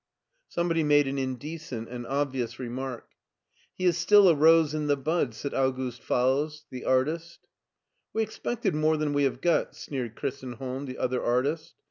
Somebody made an indecent and obvious remark. He is still a rose in the bud," said August Falls, the artist. "We expected more than we have got," sneered Christenholm, the other artist.